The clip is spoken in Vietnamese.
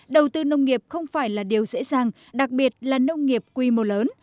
đầu tư nông nghiệp không phải là điều dễ dàng đặc biệt là nông nghiệp quy mô lớn